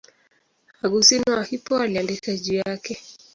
Augustino wa Hippo aliandika juu yake.